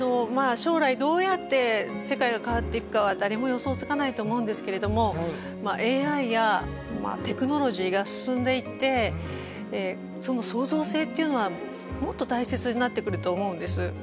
将来どうやって世界が変わっていくかは誰も予想つかないと思うんですけれどもＡＩやテクノロジーが進んでいってその創造性っていうのはもっと大切になってくると思うんです。